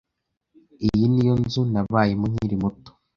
Iyi niyo nzu nabayemo nkiri muto.